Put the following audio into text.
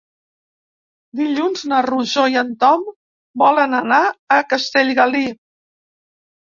Dilluns na Rosó i en Tom volen anar a Castellgalí.